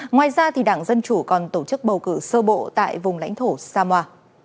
ngoài ra đảng dân chủ còn tổ chức bầu cử sơ bộ tại vùng lãnh thổ samoa